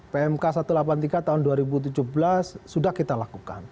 pmk satu ratus delapan puluh tiga tahun dua ribu tujuh belas sudah kita lakukan